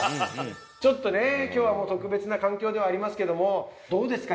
ちょっとね今日は特別な環境ではありますけどもどうですか？